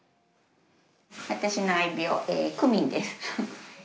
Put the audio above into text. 私の愛猫クミンです。